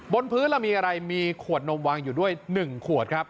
บนพื้นเรามีอะไรมีขวดนมวางอยู่ด้วย๑ขวดครับ